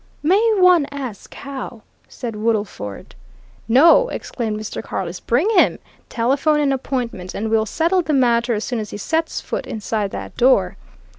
"May one ask how?" said Woodlesford. "No!" exclaimed Mr. Carless. "Bring him! Telephone an appointment and we'll settle the matter as soon as he sets foot inside that door."